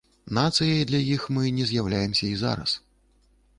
Нацыяй для іх мы не з'яўляемся і зараз.